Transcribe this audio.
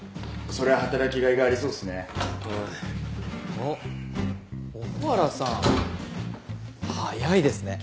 あっ小原さん早いですね。